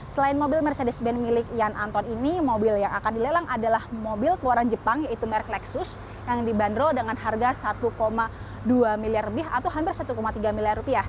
selain mobil mercedes ben milik yan anton ini mobil yang akan dilelang adalah mobil keluaran jepang yaitu merk leksus yang dibanderol dengan harga satu dua miliar lebih atau hampir rp satu tiga miliar rupiah